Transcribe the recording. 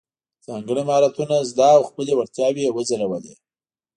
ځانګړي مهارتونه زده او خپلې وړتیاوې یې وځلولې.